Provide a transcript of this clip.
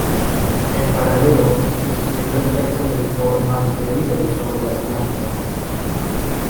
En paralelo, estudió el efecto del formaldehído sobre los plantas.